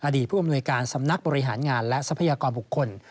ผู้อำนวยการสำนักบริหารงานและทรัพยากรบุคคล